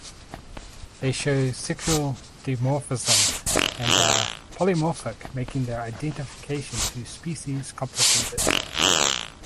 They show sexual dimorphism and are polymorphic making their identification to species complicated.